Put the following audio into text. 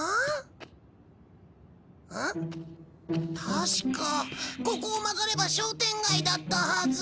確かここを曲がれば商店街だったはず。